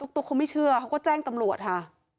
ตุ๊กเขาไม่เชื่อเขาก็แจ้งตำรวจค่ะ